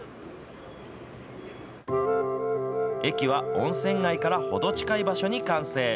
駅は温泉街から程近い場所に完成。